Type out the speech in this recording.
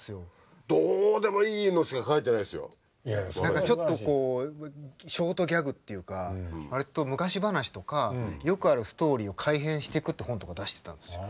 何かちょっとこうショートギャグっていうか割と昔話とかよくあるストーリーを改編していくって本とか出してたんですよ。